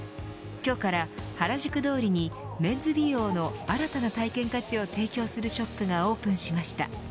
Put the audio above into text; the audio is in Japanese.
今日から原宿通りにメンズ美容の新たな体験価値を提供するショップがオープンしました。